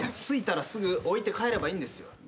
着いたらすぐ置いて帰ればいいんですよ。